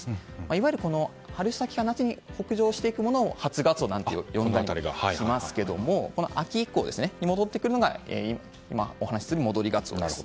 いわゆる春先から夏に北上していくものを初ガツオなんて呼んだりしますが秋以降に戻ってくるのが今、お話しする戻りガツオです。